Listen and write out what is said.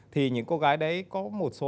thì những cô gái đấy có một số